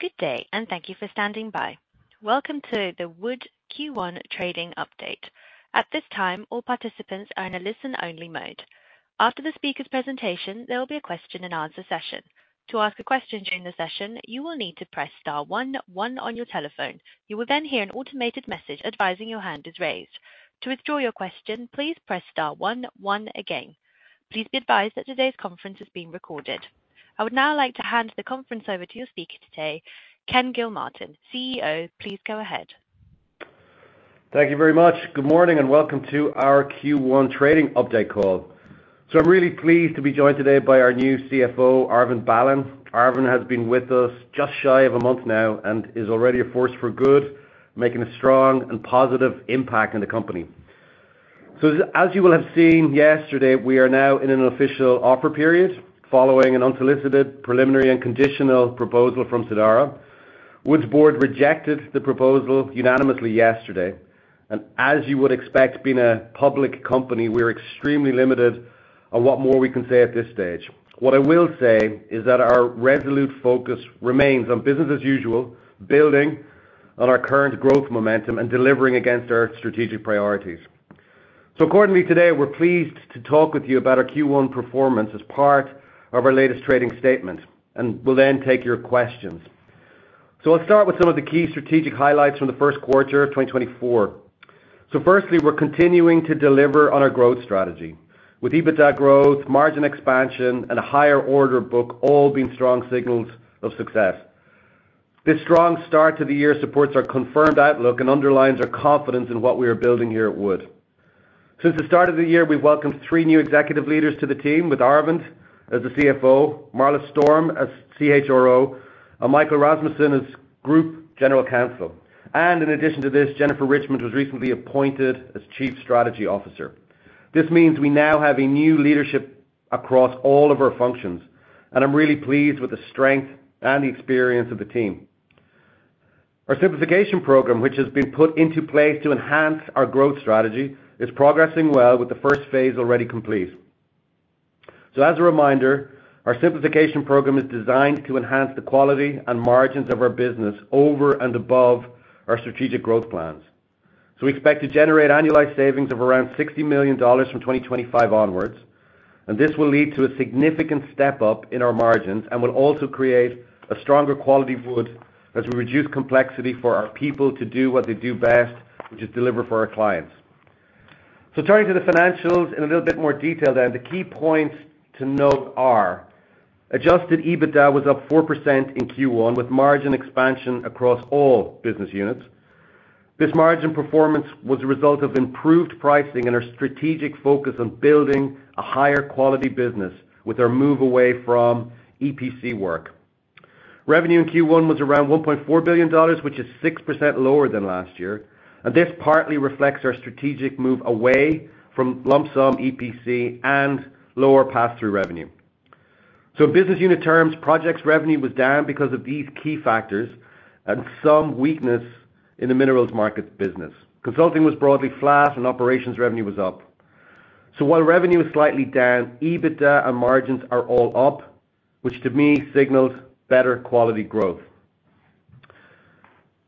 Good day, and thank you for standing by. Welcome to the Wood Q1 Trading Update. At this time, all participants are in a listen-only mode. After the speaker's presentation, there will be a question-and-answer session. To ask a question during the session, you will need to press star one one on your telephone. You will then hear an automated message advising your hand is raised. To withdraw your question, please press star one one again. Please be advised that today's conference is being recorded. I would now like to hand the conference over to your speaker today, Ken Gilmartin, CEO. Please go ahead. Thank you very much. Good morning, and welcome to our Q1 trading update call. I'm really pleased to be joined today by our new CFO, Arvind Balan. Arvind has been with us just shy of a month now and is already a force for good, making a strong and positive impact in the company. As you will have seen yesterday, we are now in an official offer period following an unsolicited, preliminary, and conditional proposal from Sidara. Wood's board rejected the proposal unanimously yesterday, and as you would expect, being a public company, we're extremely limited on what more we can say at this stage. What I will say is that our resolute focus remains on business as usual, building on our current growth momentum and delivering against our strategic priorities. Accordingly, today, we're pleased to talk with you about our Q1 performance as part of our latest trading statement, and we'll then take your questions. I'll start with some of the key strategic highlights from the first quarter of 2024. Firstly, we're continuing to deliver on our growth strategy, with EBITDA growth, margin expansion, and a higher order book all being strong signals of success. This strong start to the year supports our confirmed outlook and underlines our confidence in what we are building here at Wood. Since the start of the year, we've welcomed three new executive leaders to the team, with Arvind as the CFO, Marla Storm as CHRO, and Michael Rasmuson as Group General Counsel. In addition to this, Jennifer Richmond was recently appointed as Chief Strategy Officer. This means we now have a new leadership across all of our functions, and I'm really pleased with the strength and the experience of the team. Our simplification program, which has been put into place to enhance our growth strategy, is progressing well, with the first phase already complete. So as a reminder, our simplification program is designed to enhance the quality and margins of our business over and above our strategic growth plans. So we expect to generate annualized savings of around $60 million from 2025 onwards, and this will lead to a significant step-up in our margins and will also create a stronger quality of Wood as we reduce complexity for our people to do what they do best, which is deliver for our clients. Turning to the financials in a little bit more detail, then the key points to note are: Adjusted EBITDA was up 4% in Q1, with margin expansion across all business units. This margin performance was a result of improved pricing and our strategic focus on building a higher quality business with our move away from EPC work. Revenue in Q1 was around $1.4 billion, which is 6% lower than last year, and this partly reflects our strategic move away from lump-sum EPC and lower pass-through revenue. So in business unit terms, Projects revenue was down because of these key factors and some weakness in the minerals market business. Consulting was broadly flat and Operations revenue was up. So while revenue is slightly down, EBITDA and margins are all up, which to me signals better quality growth.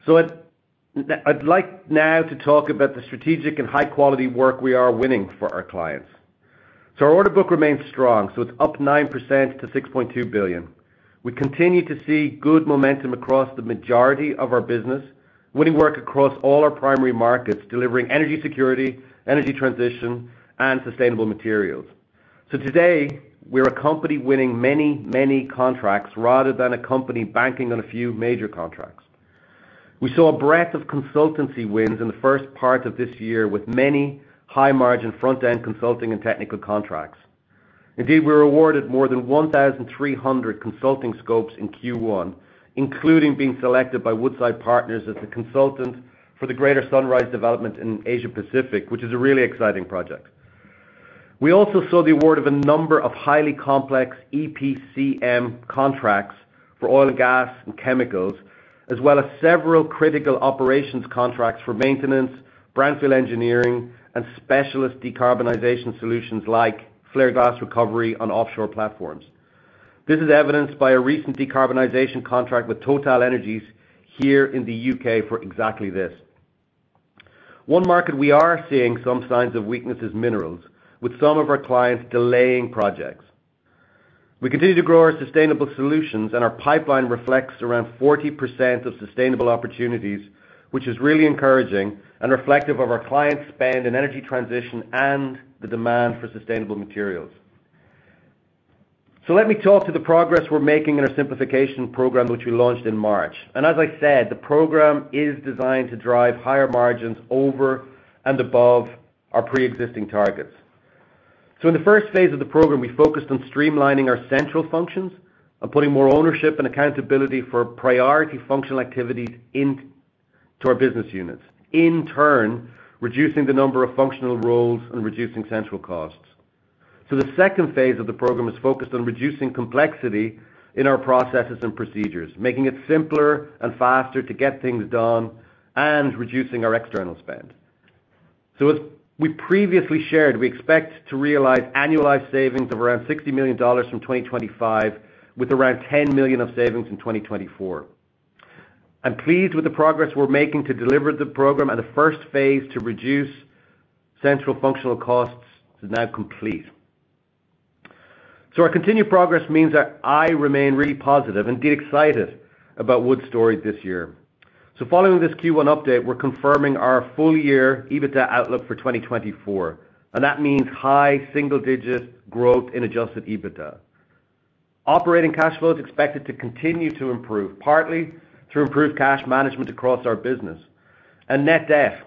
So I'd, I'd like now to talk about the strategic and high-quality work we are winning for our clients. So our order book remains strong, so it's up 9% to $6.2 billion. We continue to see good momentum across the majority of our business, winning work across all our primary markets, delivering energy security, energy transition, and sustainable materials. So today, we're a company winning many, many contracts rather than a company banking on a few major contracts. We saw a breadth of consultancy wins in the first part of this year, with many high-margin front-end consulting and technical contracts. Indeed, we were awarded more than 1,300 consulting scopes in Q1, including being selected by Woodside Partners as the consultant for the Greater Sunrise development in Asia Pacific, which is a really exciting project. We also saw the award of a number of highly complex EPCM contracts for oil and gas and chemicals, as well as several critical operations contracts for maintenance, brownfield engineering, and specialist decarbonization solutions like flare gas recovery on offshore platforms. This is evidenced by a recent decarbonization contract with TotalEnergies here in the U.K. for exactly this. One market we are seeing some signs of weakness is minerals, with some of our clients delaying projects. We continue to grow our sustainable solutions, and our pipeline reflects around 40% of sustainable opportunities, which is really encouraging and reflective of our client spend in energy transition and the demand for sustainable materials. So let me talk to the progress we're making in our simplification program, which we launched in March. And as I said, the program is designed to drive higher margins over and above our preexisting targets. So in the first phase of the program, we focused on streamlining our central functions and putting more ownership and accountability for priority functional activities into our business units, in turn, reducing the number of functional roles and reducing central costs. So the second phase of the program is focused on reducing complexity in our processes and procedures, making it simpler and faster to get things done and reducing our external spend. So as we previously shared, we expect to realize annualized savings of around $60 million from 2025, with around $10 million of savings in 2024. I'm pleased with the progress we're making to deliver the program, and the first phase to reduce central functional costs is now complete. So our continued progress means that I remain really positive, indeed excited, about our story this year. Following this Q1 update, we're confirming our full year EBITDA outlook for 2024, and that means high single-digit growth in adjusted EBITDA. Operating cash flow is expected to continue to improve, partly through improved cash management across our business. Net debt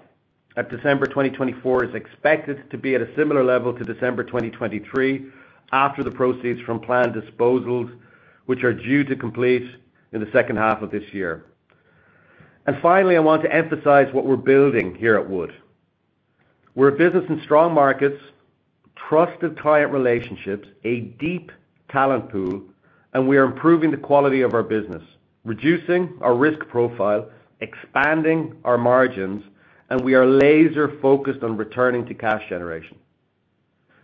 at December 2024 is expected to be at a similar level to December 2023, after the proceeds from planned disposals, which are due to complete in the second half of this year. And finally, I want to emphasize what we're building here at Wood. We're a business in strong markets, trusted client relationships, a deep talent pool, and we are improving the quality of our business, reducing our risk profile, expanding our margins, and we are laser focused on returning to cash generation.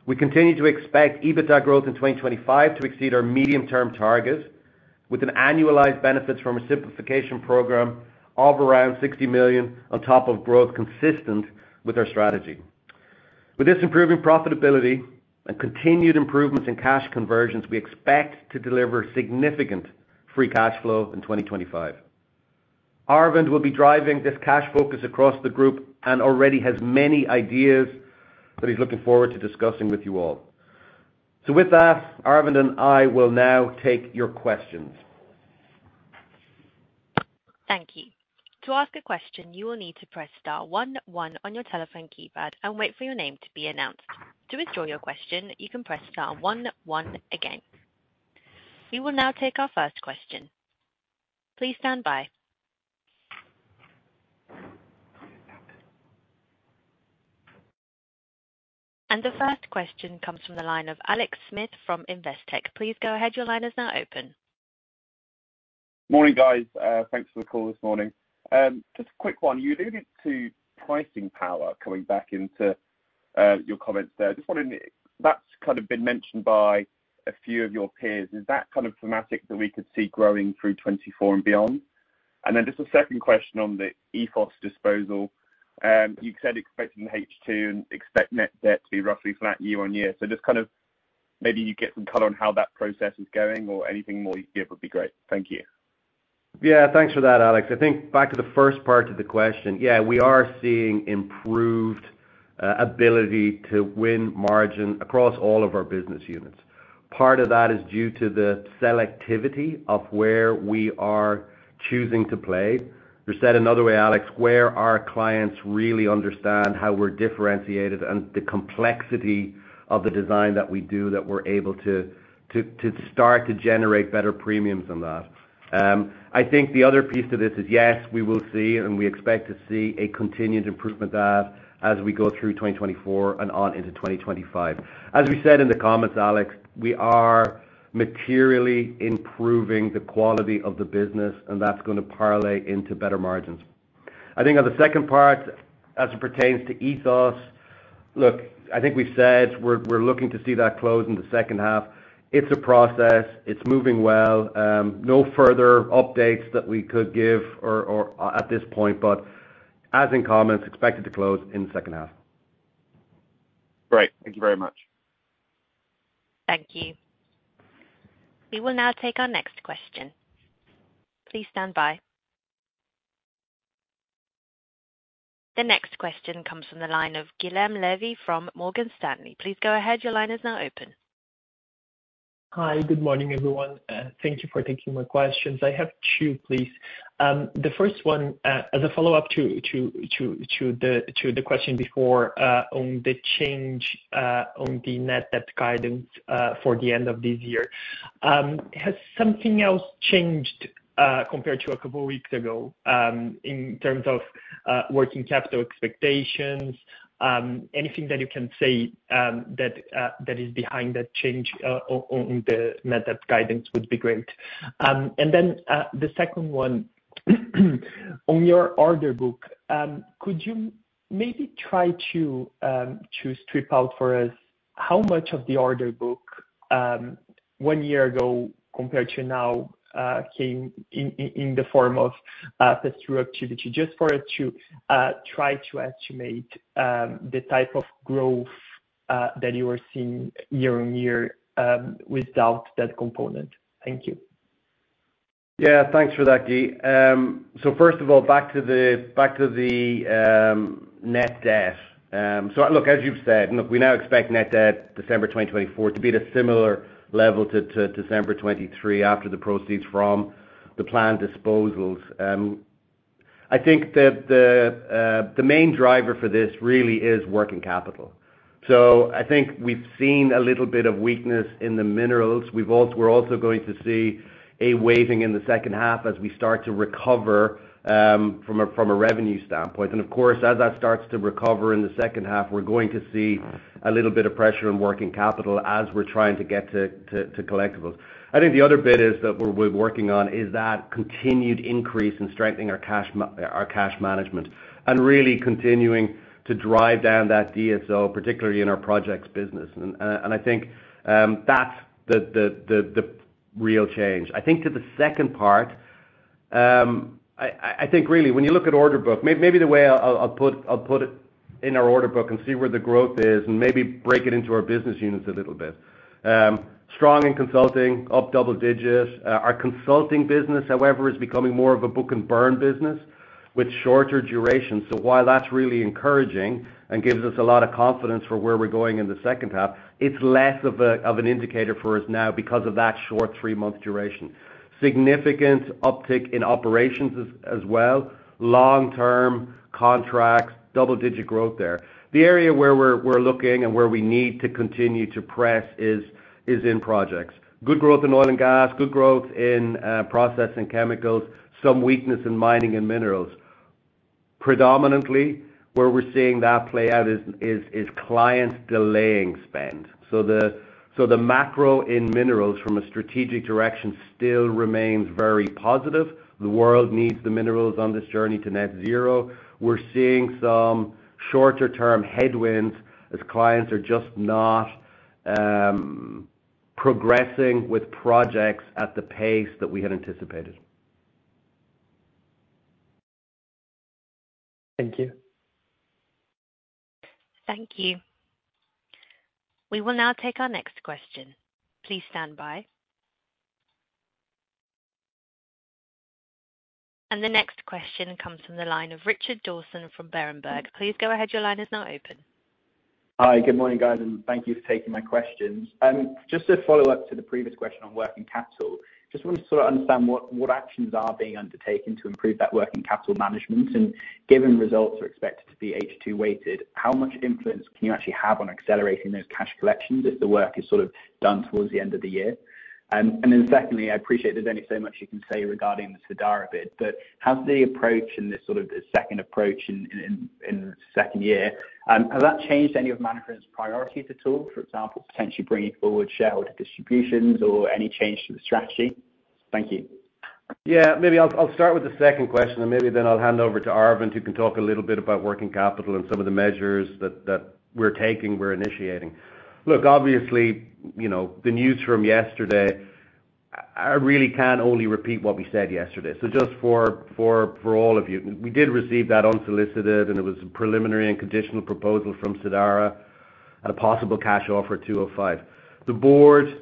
We continue to expect EBITDA growth in 2025 to exceed our medium-term target, with annualized benefits from a simplification program of around $60 million, on top of growth consistent with our strategy. With this improving profitability and continued improvements in cash conversions, we expect to deliver significant free cash flow in 2025. Arvind will be driving this cash focus across the group and already has many ideas that he's looking forward to discussing with you all. So with that, Arvind and I will now take your questions. Thank you. To ask a question, you will need to press star one one on your telephone keypad and wait for your name to be announced. To withdraw your question, you can press star one one again. We will now take our first question. Please stand by. The first question comes from the line of Alex Smith from Investec. Please go ahead. Your line is now open. Morning, guys. Thanks for the call this morning. Just a quick one. You alluded to pricing power coming back into your comments there. Just wondering, that's kind of been mentioned by a few of your peers. Is that kind of thematic that we could see growing through 2024 and beyond? And then just a second question on the Ethos disposal. You said expecting H2 and expect net debt to be roughly flat year-on-year. So just kind of maybe you get some color on how that process is going or anything more you can give would be great. Thank you. Yeah, thanks for that, Alex. I think back to the first part of the question, yeah, we are seeing improved ability to win margin across all of our business units. Part of that is due to the selectivity of where we are choosing to play. Or said another way, Alex, where our clients really understand how we're differentiated and the complexity of the design that we do, that we're able to start to generate better premiums on that. I think the other piece to this is, yes, we will see, and we expect to see a continued improvement of that as we go through 2024 and on into 2025. As we said in the comments, Alex, we are materially improving the quality of the business, and that's gonna parlay into better margins. I think on the second part, as it pertains to Ethos, look, I think we've said we're looking to see that close in the second half. It's a process. It's moving well. No further updates that we could give or at this point, but as in comments, expected to close in the second half. Great. Thank you very much. Thank you. We will now take our next question. Please stand by. The next question comes from the line of Guilherme Levy from Morgan Stanley. Please go ahead. Your line is now open. Hi, good morning, everyone. Thank you for taking my questions. I have two, please. The first one, as a follow-up to the question before, on the change on the net debt guidance, for the end of this year. Has something else changed, compared to a couple of weeks ago, in terms of working capital expectations? Anything that you can say, that is behind that change, on the net debt guidance would be great. And then, the second one, on your order book, could you maybe try to strip out for us how much of the order book one year ago compared to now came in the form of pass-through activity, just for us to try to estimate the type of growth that you are seeing year-on-year without that component? Thank you. Yeah, thanks for that, Gui. So first of all, back to the net debt. So look, as you've said, look, we now expect net debt December 2024 to be at a similar level to December 2023, after the proceeds from the planned disposals. I think that the main driver for this really is working capital. So I think we've seen a little bit of weakness in the minerals. We've also—we're also going to see a waning in the second half as we start to recover from a revenue standpoint. And of course, as that starts to recover in the second half, we're going to see a little bit of pressure on working capital as we're trying to get to collectibles. I think the other bit is that we're working on is that continued increase in strengthening our cash management, and really continuing to drive down that DSO, particularly in our projects business. And I think that's the real change. I think really when you look at order book, maybe the way I'll put it in our order book and see where the growth is and maybe break it into our business units a little bit. Strong in consulting, up double digits. Our consulting business, however, is becoming more of a book and burn business with shorter duration. So while that's really encouraging and gives us a lot of confidence for where we're going in the second half, it's less of an indicator for us now because of that short three-month duration. Significant uptick in operations as well. Long-term contracts, double-digit growth there. The area where we're looking and where we need to continue to press is in projects. Good growth in oil and gas, good growth in processing chemicals, some weakness in mining and minerals. Predominantly, where we're seeing that play out is clients delaying spend. So the macro in minerals from a strategic direction still remains very positive. The world needs the minerals on this journey to Net Zero. We're seeing some shorter-term headwinds as clients are just not progressing with projects at the pace that we had anticipated. Thank you. Thank you. We will now take our next question. Please stand by. The next question comes from the line of Richard Dawson from Berenberg. Please go ahead. Your line is now open. Hi, good morning, guys, and thank you for taking my questions. Just to follow up to the previous question on working capital, just want to sort of understand what actions are being undertaken to improve that working capital management, and given results are expected to be H2-weighted, how much influence can you actually have on accelerating those cash collections if the work is sort of done towards the end of the year? And then secondly, I appreciate there's only so much you can say regarding the Sidara bid, but has the approach in this sort of the second approach in the second year, has that changed any of management's priorities at all? For example, potentially bringing forward shareholder distributions or any change to the strategy. Thank you. Yeah, maybe I'll start with the second question, and maybe then I'll hand over to Arvind, who can talk a little bit about working capital and some of the measures that we're taking, we're initiating. Look, obviously, you know, the news from yesterday, I really can only repeat what we said yesterday. So just for all of you, we did receive that unsolicited, and it was a preliminary and conditional proposal from Sidara at a possible cash offer of 205. The board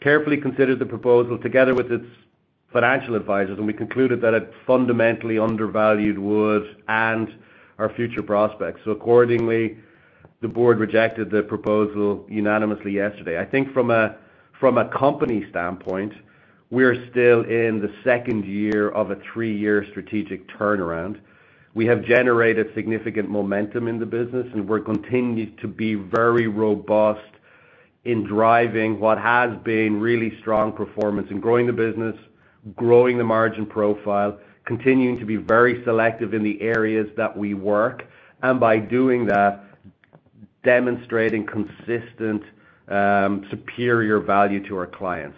carefully considered the proposal together with its financial advisors, and we concluded that it fundamentally undervalued Wood's and our future prospects. So accordingly, the board rejected the proposal unanimously yesterday. I think from a company standpoint, we are still in the second year of a three-year strategic turnaround. We have generated significant momentum in the business, and we're continued to be very robust in driving what has been really strong performance in growing the business, growing the margin profile, continuing to be very selective in the areas that we work, and by doing that, demonstrating consistent, superior value to our clients.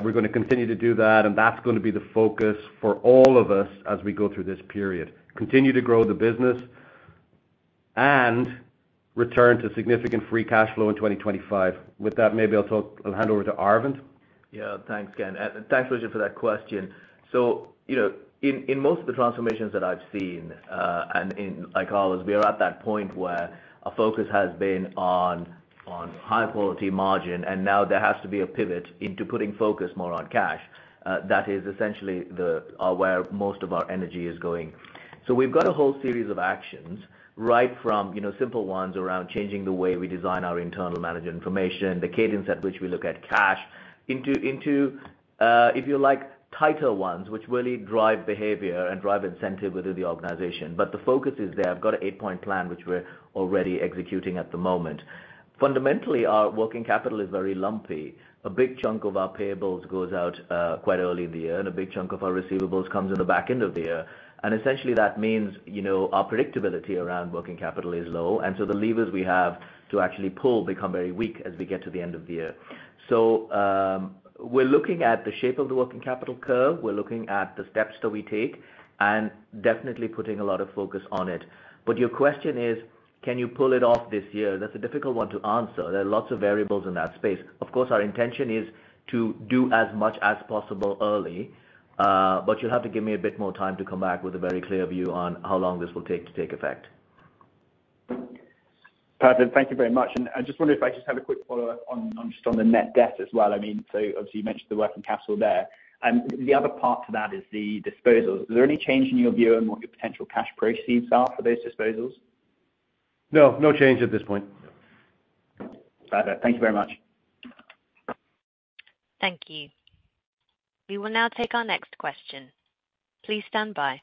We're gonna continue to do that, and that's gonna be the focus for all of us as we go through this period. Continue to grow the business and return to significant free cash flow in 2025. With that, maybe I'll talk. I'll hand over to Arvind. Yeah, thanks, Ken. And thanks, Richard, for that question. So, you know, in most of the transformations that I've seen, and in our case here, we are at that point where our focus has been on high-quality margin, and now there has to be a pivot into putting focus more on cash. That is essentially where most of our energy is going. So we've got a whole series of actions, right from, you know, simple ones around changing the way we design our internal management information, the cadence at which we look at cash, into, if you like, tighter ones, which really drive behavior and drive incentive within the organization. But the focus is there. I've got an 8-point plan, which we're already executing at the moment. Fundamentally, our working capital is very lumpy. A big chunk of our payables goes out quite early in the year, and a big chunk of our receivables comes in the back end of the year. Essentially, that means, you know, our predictability around working capital is low, and so the levers we have to actually pull become very weak as we get to the end of the year. We're looking at the shape of the working capital curve, we're looking at the steps that we take, and definitely putting a lot of focus on it. But your question is, can you pull it off this year? That's a difficult one to answer. There are lots of variables in that space. Of course, our intention is to do as much as possible early, but you'll have to give me a bit more time to come back with a very clear view on how long this will take to take effect. Perfect. Thank you very much. And I just wonder if I just have a quick follow-up on, on just on the net debt as well. I mean, so obviously, you mentioned the working capital there. The other part to that is the disposals. Is there any change in your view on what your potential cash proceeds are for those disposals? No, no change at this point. Got it. Thank you very much. Thank you. We will now take our next question. Please stand by.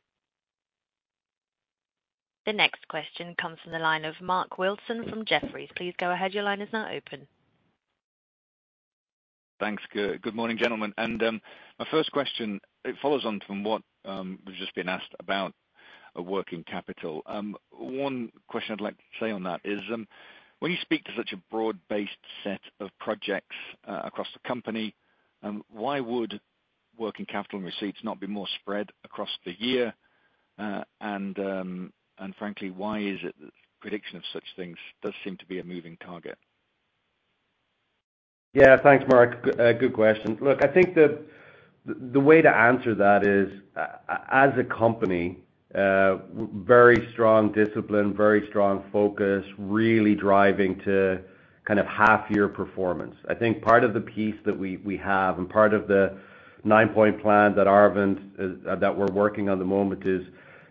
The next question comes from the line of Mark Wilson from Jefferies. Please go ahead. Your line is now open. Thanks. Good morning, gentlemen. And my first question, it follows on from what was just being asked about, working capital. One question I'd like to say on that is, when you speak to such a broad-based set of projects across the company, why would working capital and receipts not be more spread across the year? And frankly, why is it that prediction of such things does seem to be a moving target?... Yeah, thanks, Mark. Good question. Look, I think that the way to answer that is as a company, very strong discipline, very strong focus, really driving to kind of half-year performance. I think part of the piece that we have, and part of the 9-point plan that Arvind that we're working at the moment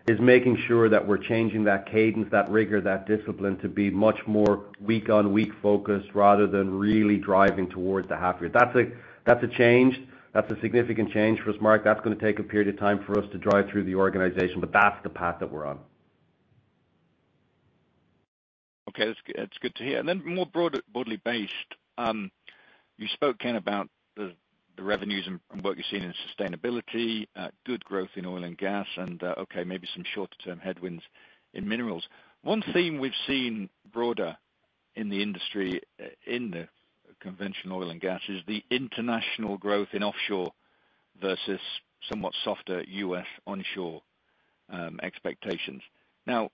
is making sure that we're changing that cadence, that rigor, that discipline to be much more week-on-week focus rather than really driving towards the half year. That's a change. That's a significant change for us, Mark. That's gonna take a period of time for us to drive through the organization, but that's the path that we're on. Okay, that's good to hear. And then more broadly based, you spoke, Ken, about the revenues and what you're seeing in sustainability, good growth in oil and gas, and okay, maybe some shorter term headwinds in minerals. One theme we've seen broader in the industry, in the conventional oil and gas, is the international growth in offshore versus somewhat softer US onshore expectations. Now,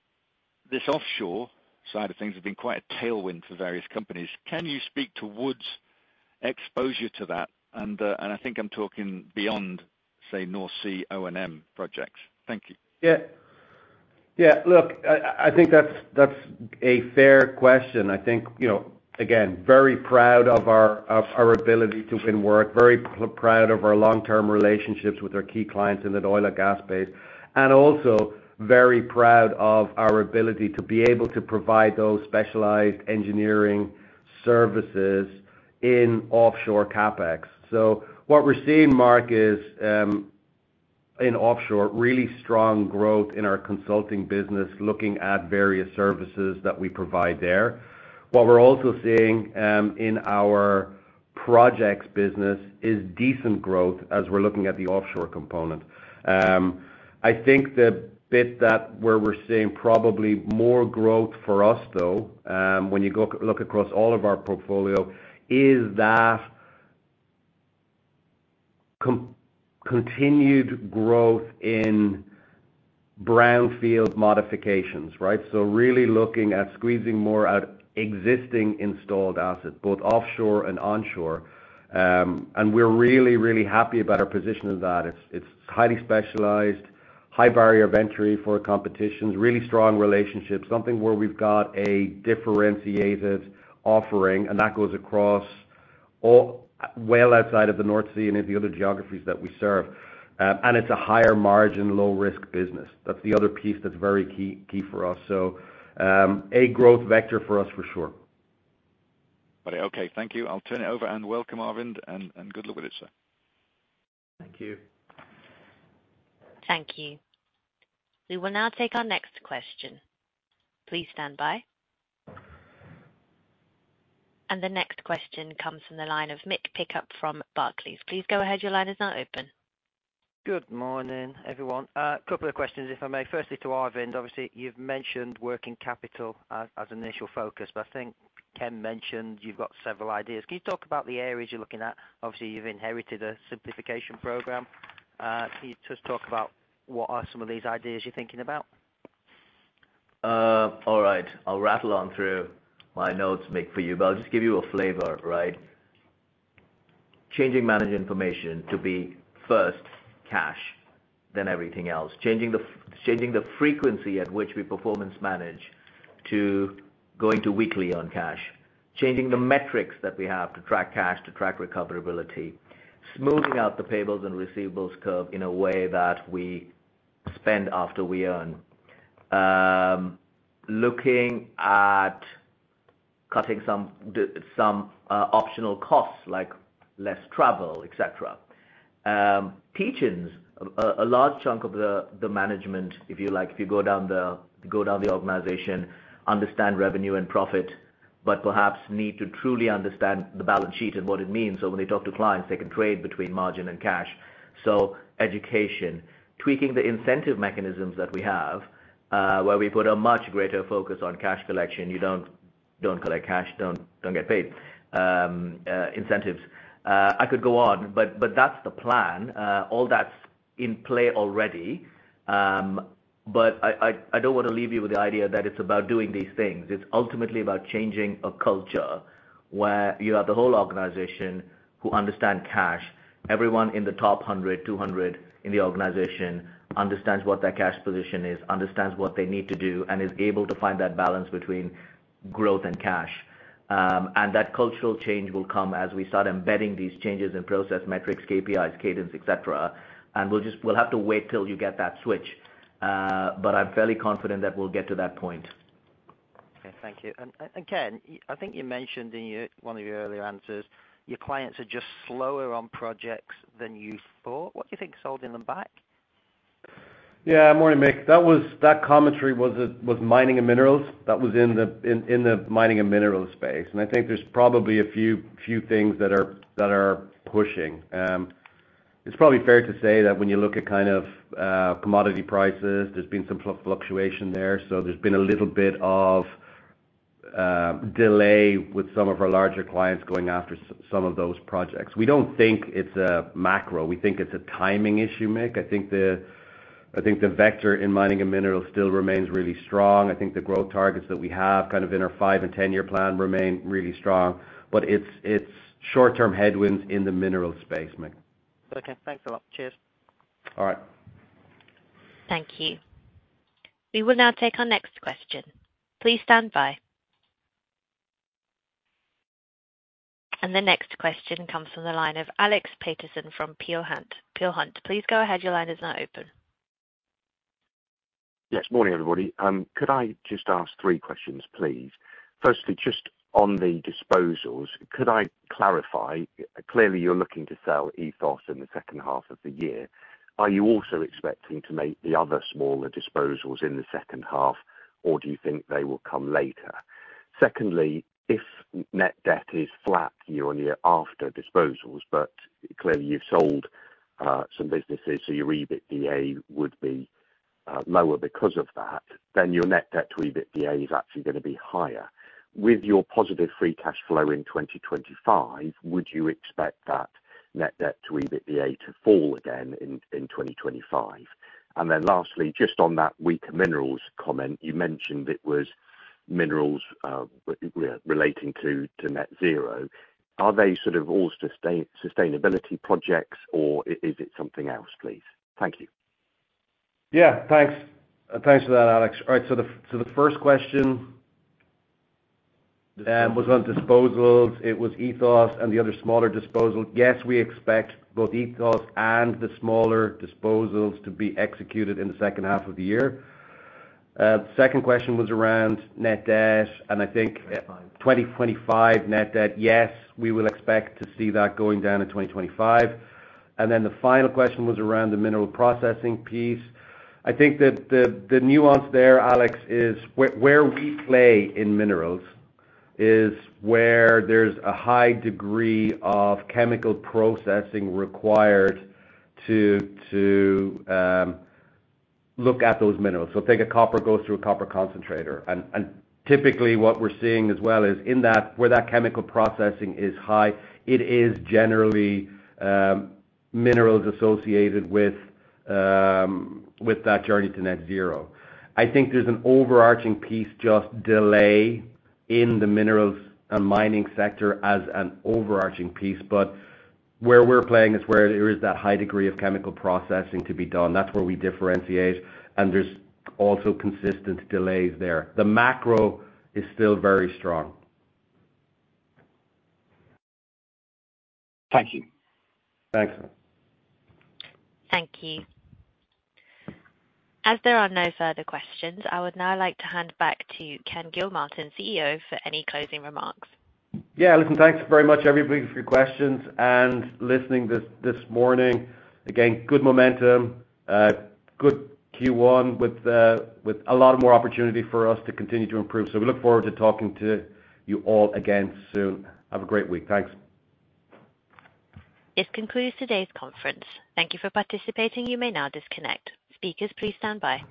this offshore side of things have been quite a tailwind for various companies. Can you speak to Wood's exposure to that? And I think I'm talking beyond, say, North Sea O&M projects. Thank you. Yeah. Yeah, look, I think that's a fair question. I think, you know, again, very proud of our ability to win work, very proud of our long-term relationships with our key clients in the oil and gas space, and also very proud of our ability to provide those specialized engineering services in offshore CapEx. So what we're seeing, Mark, is in offshore, really strong growth in our consulting business, looking at various services that we provide there. What we're also seeing in our projects business is decent growth as we're looking at the offshore component. I think the bit that where we're seeing probably more growth for us, though, when you look across all of our portfolio, is that continued growth in brownfield modifications, right? So really looking at squeezing more out of existing installed assets, both offshore and onshore. And we're really, really happy about our position in that. It's, it's highly specialized, high barrier of entry for competitions, really strong relationships, something where we've got a differentiated offering, and that goes across all, well, outside of the North Sea and into the other geographies that we serve. And it's a higher margin, low risk business. That's the other piece that's very key, key for us. So, a growth vector for us for sure. Okay. Thank you. I'll turn it over and welcome, Arvind, and, and good luck with it, sir. Thank you. Thank you. We will now take our next question. Please stand by. The next question comes from the line of Mick Pickup from Barclays. Please go ahead. Your line is now open. Good morning, everyone. A couple of questions, if I may. Firstly, to Arvind, obviously, you've mentioned working capital as initial focus, but I think Ken mentioned you've got several ideas. Can you talk about the areas you're looking at? Obviously, you've inherited a simplification program. Can you just talk about what are some of these ideas you're thinking about? All right. I'll rattle on through my notes, Mick, for you, but I'll just give you a flavor, right? Changing managed information to be first cash, then everything else. Changing the frequency at which we performance manage to going to weekly on cash. Changing the metrics that we have to track cash, to track recoverability. Smoothing out the payables and receivables curve in a way that we spend after we earn. Looking at cutting some optional costs, like less travel, et cetera. Teach-ins, a large chunk of the management, if you like, if you go down the organization, understand revenue and profit, but perhaps need to truly understand the balance sheet and what it means. So when they talk to clients, they can trade between margin and cash. So education. Tweaking the incentive mechanisms that we have, where we put a much greater focus on cash collection. You don't, don't collect cash, don't, don't get paid. Incentives. I could go on, but, but that's the plan. All that's in play already. But I don't wanna leave you with the idea that it's about doing these things. It's ultimately about changing a culture where you have the whole organization who understand cash. Everyone in the top 100, 200 in the organization understands what their cash position is, understands what they need to do, and is able to find that balance between growth and cash. And that cultural change will come as we start embedding these changes in process metrics, KPIs, cadence, et cetera. And we'll have to wait till you get that switch, but I'm fairly confident that we'll get to that point. Okay. Thank you. And, Ken, I think you mentioned in one of your earlier answers, your clients are just slower on projects than you thought. What do you think is holding them back? Yeah, morning, Mick. That commentary was mining and minerals. That was in the mining and minerals space, and I think there's probably a few things that are pushing. It's probably fair to say that when you look at kind of commodity prices, there's been some fluctuation there, so there's been a little bit of delay with some of our larger clients going after some of those projects. We don't think it's a macro. We think it's a timing issue, Mick. I think the vector in mining and minerals still remains really strong. I think the growth targets that we have kind of in our five- and 10-year plan remain really strong, but it's short-term headwinds in the minerals space, Mike. Okay, thanks a lot. Cheers. All right. Thank you. We will now take our next question. Please stand by. The next question comes from the line of Alex Paterson from Peel Hunt. Peel Hunt, please go ahead. Your line is now open. Yes, morning, everybody. Could I just ask three questions, please? Firstly, just on the disposals, could I clarify, clearly, you're looking to sell Ethos in the second half of the year. Are you also expecting to make the other smaller disposals in the second half, or do you think they will come later? Secondly, if net debt is flat year-on-year after disposals, but clearly you've sold some businesses, so your EBITDA would be lower because of that, then your net debt to EBITDA is actually gonna be higher. With your positive free cash flow in 2025, would you expect that net debt to EBITDA to fall again in 2025? And then lastly, just on that weaker minerals comment, you mentioned it was minerals relating to net zero. Are they sort of all sustainability projects, or is it something else, please? Thank you. Yeah, thanks. Thanks for that, Alex. All right. So the first question was on disposals. It was Ethos and the other smaller disposal. Yes, we expect both Ethos and the smaller disposals to be executed in the second half of the year. Second question was around net debt, and I think 2025 net debt. Yes, we will expect to see that going down in 2025. And then the final question was around the mineral processing piece. I think that the nuance there, Alex, is where we play in minerals is where there's a high degree of chemical processing required to look at those minerals. So think of copper goes through a copper concentrator. Typically what we're seeing as well is in that, where that chemical processing is high, it is generally minerals associated with that journey to Net Zero. I think there's an overarching piece, just delay in the minerals and mining sector as an overarching piece. But where we're playing is where there is that high degree of chemical processing to be done. That's where we differentiate, and there's also consistent delays there. The macro is still very strong. Thank you. Thanks. Thank you. As there are no further questions, I would now like to hand back to Ken Gilmartin, CEO, for any closing remarks. Yeah, listen, thanks very much, everybody, for your questions and listening this morning. Again, good momentum, good Q1 with a lot more opportunity for us to continue to improve. So we look forward to talking to you all again soon. Have a great week. Thanks. This concludes today's conference. Thank you for participating. You may now disconnect. Speakers, please stand by.